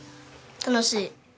楽しい。